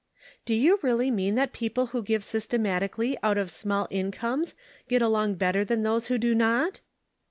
" "Do you really mean that people who give systematically out of small incomes get along better than those who do riot